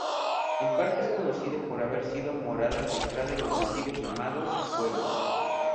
El parque es conocido por haber sido morada ancestral de los nativos llamados "Pueblo".